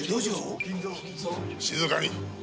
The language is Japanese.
静かに！